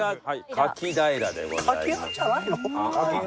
柿平でございます。